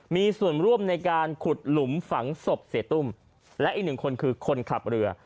มีส่วนร่วมในการขุดหลุมฝังศพเสียตุ้มและอีกหนึ่งคนคือคนขับเรือ